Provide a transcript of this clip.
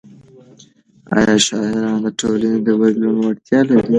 ايا شاعران د ټولنې د بدلون وړتیا لري؟